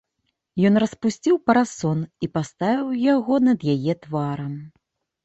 Ён распусціў парасон і паставіў яго над яе тварам.